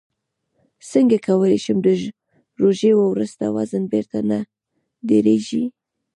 څنګه کولی شم د روژې وروسته وزن بېرته نه ډېرېږي